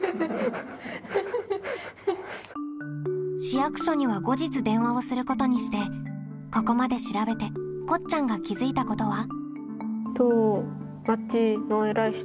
市役所には後日電話をすることにしてここまで調べてこっちゃんが気づいたことは？